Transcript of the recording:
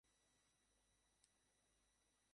হারলিন, গাড়িতে বসো।